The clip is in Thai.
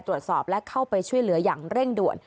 ตรวจสอบและเข้าไปช่วยเหลืออย่างเร่งด่วน